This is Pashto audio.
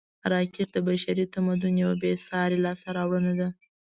راکټ د بشري تمدن یوه بېساري لاسته راوړنه ده